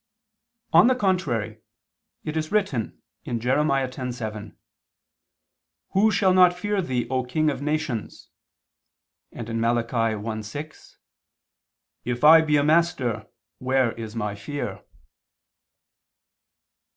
On the contrary, It is written (Jer. 10:7): "Who shall not fear Thee, O King of nations?" and (Malachi 1:6): "If I be a master, where is My fear?"